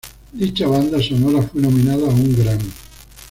Dicha banda sonora fue nominada a un Grammy.